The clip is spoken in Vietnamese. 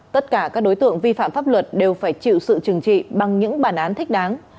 tất cả các đối tượng vi phạm pháp luật đều phải chịu sự trừng trị bằng những bản án thích đáng